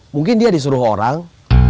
mungkin dia disuruh orang